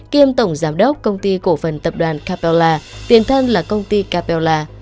kiêm tổng giám đốc công ty cổ phần tập đoàn capella tiền thân là công ty capella